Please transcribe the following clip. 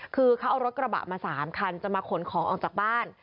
คือเขาเอารถกระบะมา๓คันจะมาขนของออกจากบ้าน